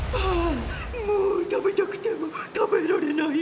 もう食べたくても食べられない。